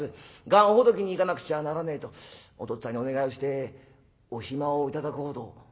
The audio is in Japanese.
願ほどきに行かなくちゃならねえとおとっつぁんにお願いをしてお暇を頂こうと」。